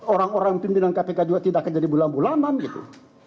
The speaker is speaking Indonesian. orang orang pimpinan kpk juga tidak akan jadi bulan bulanan gitu